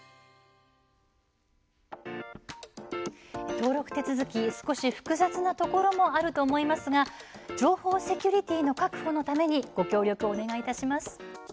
登録手続き、少し複雑なところもあると思いますが情報セキュリティーの確保のためにご協力をお願いいたします。